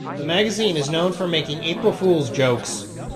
The magazine is known for making April Fools jokes.